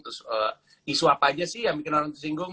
terus isu apa aja sih yang bikin orang tersinggung